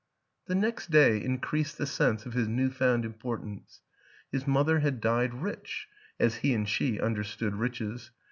The next day increased the sense of his new found importance ; his mother had died rich, as he and she understood riches.